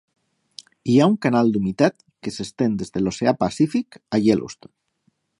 Hi ha un canal d’humitat que s’estén des de l’oceà Pacífic a Yellowstone.